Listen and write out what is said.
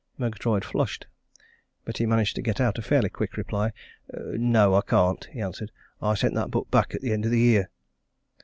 Murgatroyd flushed. But he managed to get out a fairly quick reply. "No, I can't," he answered, "I sent that book back at the end of the year."